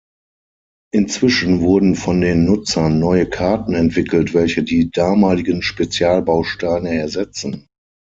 Inzwischen wurden von den Nutzern neue Karten entwickelt, welche die damaligen Spezialbausteine ersetzen.